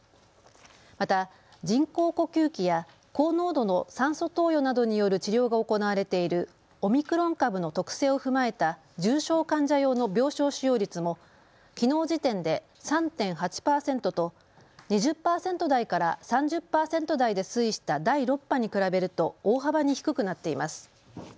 また人工呼吸器や高濃度の酸素投与などによる治療が行われているオミクロン株の特性を踏まえた重症患者用の病床使用率もきのう時点で３．８％と２０％台から３０％台で推移した第６波に比べると大幅に低くなっています。